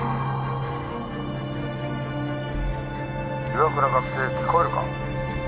「岩倉学生聞こえるか？」。